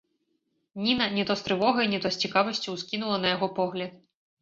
Ніна не то з трывогай, не то з цікавасцю ўскінула на яго погляд.